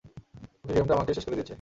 ওকে গেমটা আমাকে শেষ করে দিয়েছে।